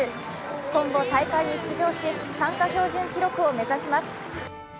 今後、大会に出場し、参加標準記録を目指します。